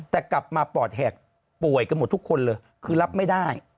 แต่กลับมาปอดแหกป่วยกันหมดทุกคนเลยคือรับไม่ได้